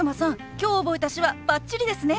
今日覚えた手話バッチリですね！